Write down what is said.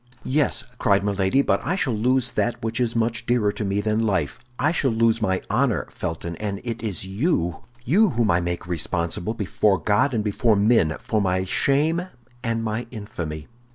"Yes," cried Milady, "but I shall lose that which is much dearer to me than life, I shall lose my honor, Felton; and it is you, you whom I make responsible, before God and before men, for my shame and my infamy."